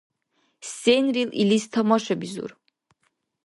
Сенрил илис тамашабизур.